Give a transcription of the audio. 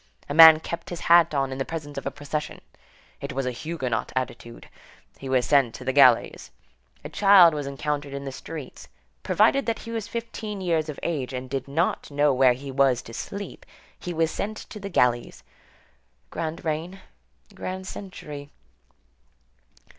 A man kept his hat on in the presence of a procession—it was a Huguenot attitude; he was sent to the galleys. A child was encountered in the streets; provided that he was fifteen years of age and did not know where he was to sleep, he was sent to the galleys. Grand reign; grand century.